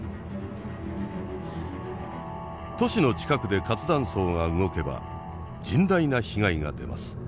都市の近くで活断層が動けば甚大な被害が出ます。